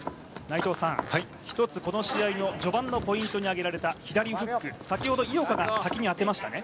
１つこの試合の序盤のポイントにあげられた左フック、先ほど井岡が先に当てましたね。